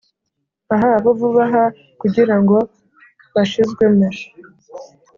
ah, bo, vuba aha kugirango bashizwemo